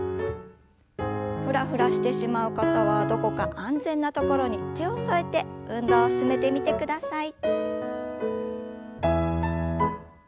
ふらふらしてしまう方はどこか安全な所に手を添えて運動を進めてみてください。